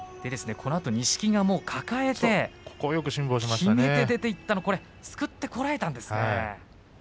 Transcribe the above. このあとに錦木が抱えてきめて出ていったのはすくってこらえたんですね。